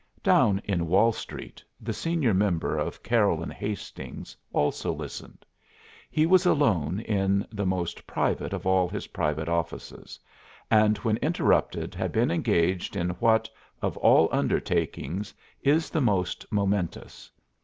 Down in Wall Street the senior member of Carroll and Hastings also listened. He was alone in the most private of all his private offices, and when interrupted had been engaged in what, of all undertakings, is the most momentous.